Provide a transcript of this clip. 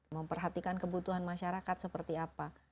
memperhatikan kebutuhan masyarakat seperti apa